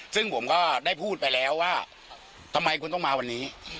ซึ่งผมก็ได้พูดไปแล้วว่าทำไมคุณต้องมาวันนี้